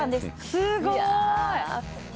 すごい。